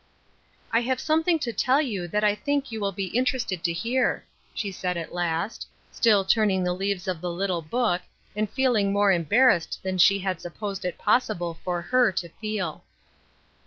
"I have something to tell you that I think you will be interested to hear," she said, at last, still turning the leaves of the little book, and feeling more embarrassed than she had supposed it possible for her to feel.